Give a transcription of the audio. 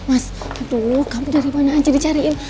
aduh kamu dari mana aja dicariin